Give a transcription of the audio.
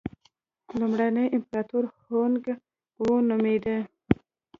لومړنی امپراتور هونګ وو نومېده.